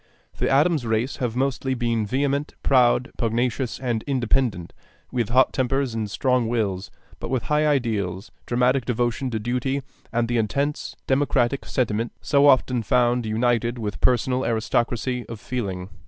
The Adams race have mostly been vehement, proud, pugnacious, and independent, with hot tempers and strong wills; but with high ideals, dramatic devotion to duty, and the intense democratic sentiment so often found united with personal aristocracy of feeling.